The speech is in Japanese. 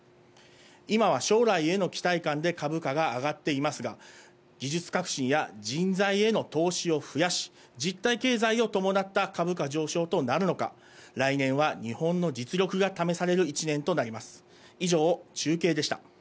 今は将来への期待感で株価が上がっていますが、技術革新や人材への投資を増やし、実体経済をともなった株価上昇となるのか、来年は日本の実力が試される１年となります。